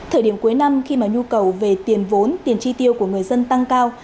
thời điểm cuối năm khi mà nhu cầu về tiền vốn tiền chi tiêu của người dân tăng cao